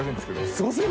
すごい！